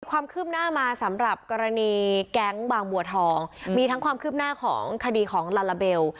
ความคืบหน้ามาสำหรับกรณีแก๊งบางบัวทองมีทั้งความคืบหน้าของคดีของลาลาเบล